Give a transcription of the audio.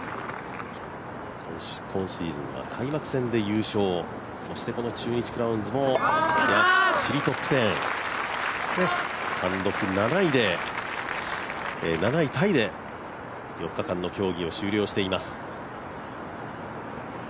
今シーズンは開幕戦で優勝、そしてこの中日クラウンズもきっちりトップ１０、単独７位タイで４日間の競技を終了しています。